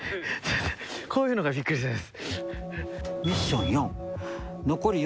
こういうのがびっくりしちゃいます。